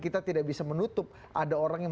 kita tidak bisa menutup ada orang yang